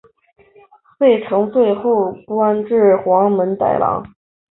费承最后官至黄门侍郎。